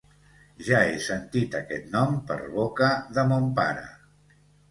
Jo he sentit aquest nom per boca de mon pare.